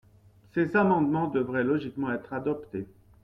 Ces amendements devraient logiquement être adoptés.